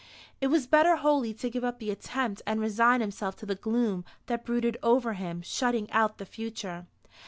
It was better wholly to give up the attempt, and resign himself to the gloom that brooded over him, shutting out the future.